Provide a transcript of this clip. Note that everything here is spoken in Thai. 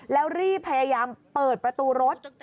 แล้วรีบพยายามเปิดประตูรถ